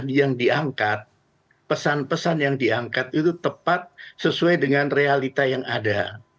yang diangkat pesan pesan yang diangkat itu tepat sesuai dengan realita yang ada